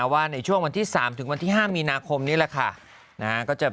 ว่าในช่วงวันที่๓ถึงวันที่๕มีนาคมนี้แหละค่ะ